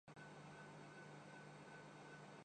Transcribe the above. بلغاری